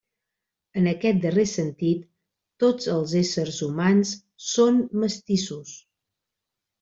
En aquest darrer sentit, tots els éssers humans són mestissos.